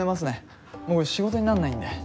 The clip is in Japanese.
もう仕事になんないんで。